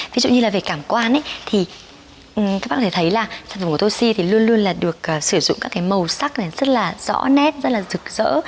ví dụ như là về cảm quan thì các bác có thể thấy là sản phẩm của toxy thì luôn luôn là được sử dụng các cái màu sắc rất là rõ nét rất là rực rỡ